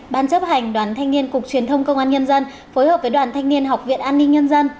ban chấp hành đoàn thanh niên cục truyền thông công an nhân dân phối hợp với đoàn thanh niên học viện an ninh nhân dân